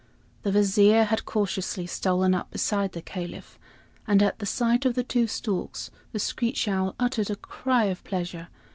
The Vizier had cautiously stolen up beside the Caliph; and at sight of the two storks, the screech owl uttered a cry of pleasure.